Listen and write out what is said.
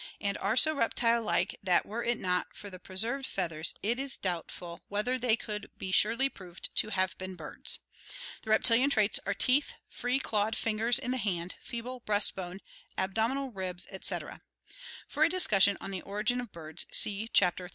XIV) and are so reptile tike that were it not for the preserved feathers it is doubtful 362 ORGANIC EVOLUTION whether they could be surely proved to have been birds. He reptilian traits are teeth, free clawed fingers in the hand, feeble breast bone, abdominal ribs, etc. For a discussion of the origin of birds, see Chapter XXXI.